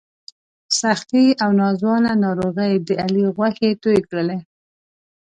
سختې او ناځوانه ناروغۍ د علي غوښې تویې کړلې.